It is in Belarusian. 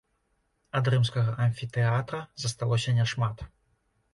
Ад рымскага амфітэатра засталося няшмат.